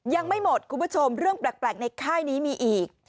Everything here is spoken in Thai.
ยังไม่หมดคุณผู้ชมเรื่องแปลกในค่ายนี้มีอีก